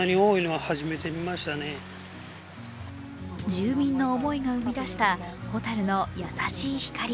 住民の思いが生み出したホタルの優しい光。